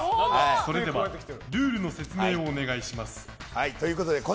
それではルールの説明をお願いします。